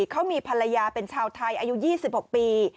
เขามีภรรยาเป็นชาวไทยอายุ๒๖ปี